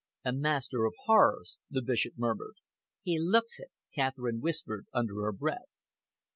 "A master of horrors," the Bishop murmured. "He looks it," Catherine whispered under her breath.